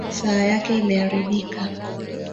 Saa yake imeharibika